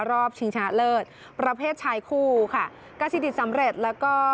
ชิงชนะเลิศประเภทชายคู่ค่ะกาซิดิตสำเร็จแล้วก็